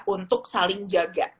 untuk saling jaga